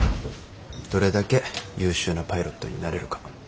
どれだけ優秀なパイロットになれるか。